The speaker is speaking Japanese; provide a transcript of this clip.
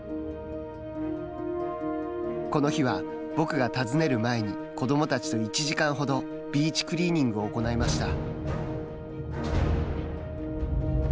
この日は、僕が訪ねる前に子どもたちと１時間ほどビーチクリーニングを行いました。